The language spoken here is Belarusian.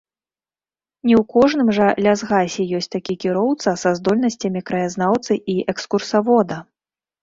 Не ў кожным жа лясгасе ёсць такі кіроўца са здольнасцямі краязнаўцы і экскурсавода!